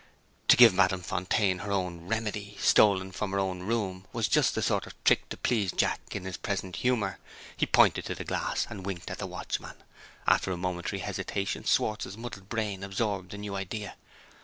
To give Madame Fontaine her own "remedy," stolen from her own room, was just the sort of trick to please Jack in his present humor. He pointed to the glass, and winked at the watchman. After a momentary hesitation, Schwartz's muddled brain absorbed the new idea.